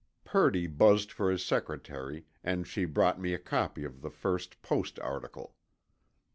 Purdy buzzed for his secretary, and she brought me a copy of the first Post article.